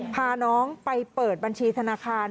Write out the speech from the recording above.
พาน้องไปเปิดบัญชีธนาคาร